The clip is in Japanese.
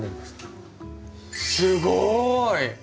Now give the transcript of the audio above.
すごい！